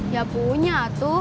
ya punya atu